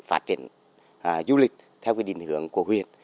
phát triển du lịch theo định hướng của huyện